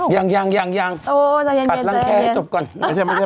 ยังปัดรังแค้นให้จบก่อนโอ้ใจเย็น